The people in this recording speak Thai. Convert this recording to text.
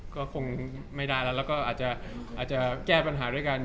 ก็คงไม่ได้แล้วแล้วก็อาจจะแก้ปัญหาด้วยกัน